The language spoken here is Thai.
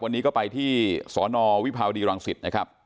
วันนี้ก็ไปที่สนวิภาวดีรังสิตนะครับ